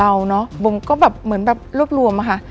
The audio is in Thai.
เนอะบุ๋มก็แบบเหมือนแบบรวบรวมอะค่ะ